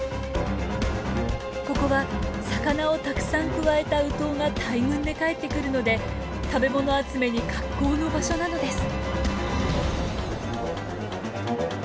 ここは魚をたくさんくわえたウトウが大群で帰ってくるので食べ物集めに格好の場所なのです。